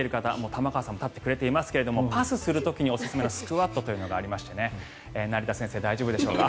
玉川さんも立ってくれていますがパスする時におすすめのスクワットというのがありまして成田先生、大丈夫でしょうか。